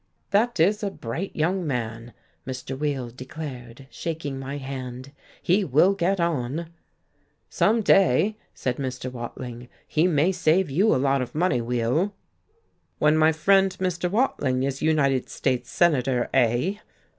"That is a bright young man," Mr. Weill declared, shaking my hand. "He will get on." "Some day," said Mr. Watling, "he may save you a lot of money, Weill." "When my friend Mr. Watling is United States Senator, eh?"